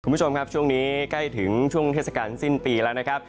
คุณผู้ชมครับช่วงนี้ใกล้ถึงช่วงเทศกาลสิ้นปีแล้วนะครับ